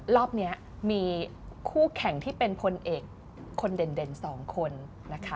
รอบนี้มีคู่แข่งที่เป็นพลเอกคนเด่น๒คนนะคะ